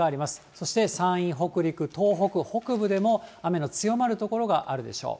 そして山陰、北陸、東北北部でも、雨の強まる所があるでしょう。